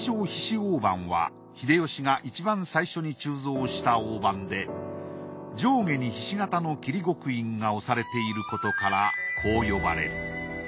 大判は秀吉がいちばん最初に鋳造した大判で上下に菱型の桐極印が押されていることからこう呼ばれる。